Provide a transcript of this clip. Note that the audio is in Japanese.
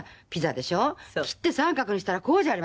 切って三角にしたらこうじゃありません？